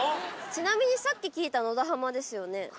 ちなみにさっき聞いた野田浜ですよね？